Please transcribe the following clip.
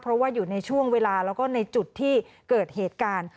เพราะว่าอยู่ในช่วงเวลาแล้วก็ในจุดที่เกิดเหตุการณ์